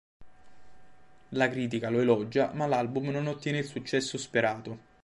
La critica lo elogia, ma l'album non ottiene il successo sperato.